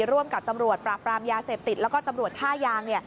ร่วมกับตำรวจปราบปรามยาเสพติดแล้วก็ตำรวจท่ายาง